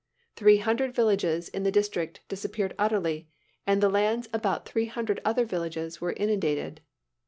Three hundred villages in the district disappeared utterly, and the lands about three hundred other villages were inundated.